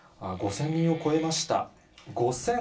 ５０００人を超えました。